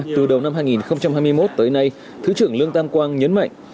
từ đầu năm hai nghìn hai mươi một tới nay thứ trưởng lương tam quang nhấn mạnh